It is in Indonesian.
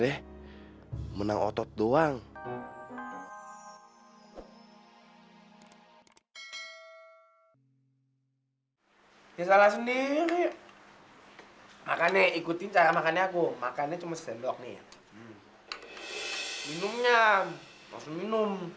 yeay yang ada mau berhubung kok kayak gitu juragan